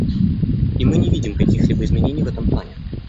И мы не видим каких-либо изменений в этом плане.